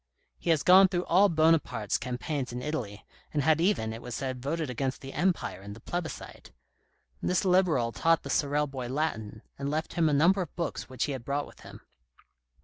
He has gone through all Buonaparte's campaigns in Italy, and had even, it was said, voted against the Empire in the plebiscite. This Liberal taught the Sorel boy Latin, and left him a number of books which he had brought with him.